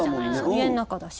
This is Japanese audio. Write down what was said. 家の中だし。